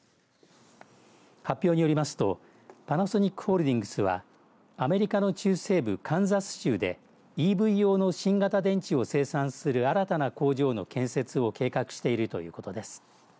発表によりますとパナソニックホールディングスはアメリカの中西部カンザス州でＥＶ用の新型電池を生産する新たな工場の建設を計画しているということです。